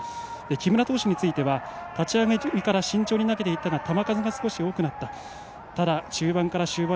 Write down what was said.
木村投手については立ち上がりから慎重に投げていたが球数がちょっと多くなった。